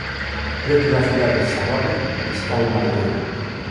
Preto da cidade Savave está unha aldea.